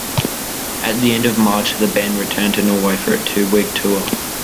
At the end of March, the band returned to Norway for a two-week tour.